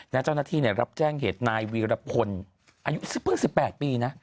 เจ้าหน้าที่รับแจ้งเหตุนายวีรพลอายุเพิ่ง๑๘ปีนะ